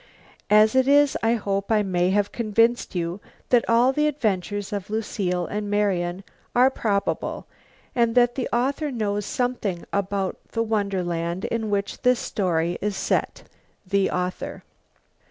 As it is I hope I may have convinced you that all the adventures of Lucile and Marian are probable and that the author knows something about the wonderland in which the story is set. THE AUTHOR.